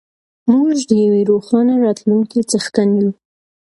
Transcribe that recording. موږ د یوې روښانه راتلونکې څښتن یو.